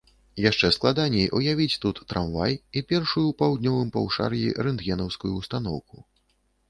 Яшчэ складаней уявіць тут трамвай і першую ў паўднёвым паўшар'і рэнтгенаўскую ўстаноўку.